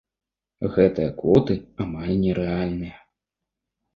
Гэтыя квоты амаль нерэальныя.